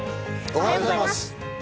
おはようございます。